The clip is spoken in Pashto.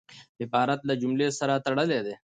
عبارت له جملې سره تړلی يي.